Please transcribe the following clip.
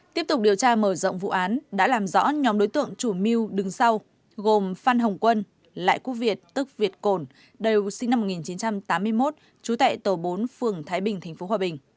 tiếp tục điều tra mở rộng vụ án đã làm rõ nhóm đối tượng chủ mưu đứng sau gồm phan hồng quân lại quốc việt tức việt cổn đều sinh năm một nghìn chín trăm tám mươi một trú tại tổ bốn phường thái bình tp hòa bình